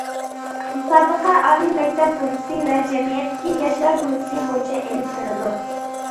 مۇسابىقە ئالىي مەكتەپ گۇرۇپپىسى ۋە جەمئىيەتتىكى ياشلار گۇرۇپپىسى بويىچە ئېلىپ بېرىلىدۇ.